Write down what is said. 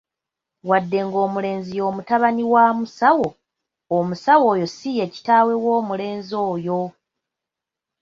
Wadde ng'omulenzi yo mutabani wa musawo, omusawo oyo si ye kitaawe w'omulenzi oyo.